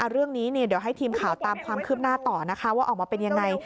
เรื่องนี้เดี๋ยวให้ทีมข่าวตามความคืบหน้าต่อนะคะว่าออกมาเป็นยังไง